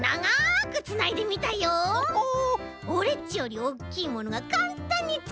オレっちよりおおきいものがかんたんにつくれちゃった。